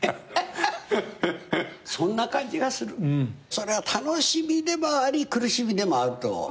それは楽しみでもあり苦しみでもあると。